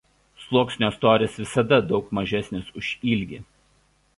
Sluoksnio storis visada daug mažesnis už ilgį.